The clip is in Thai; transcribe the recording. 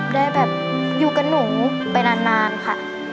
ได้แบบอยู่กับหนูไปนานค่ะ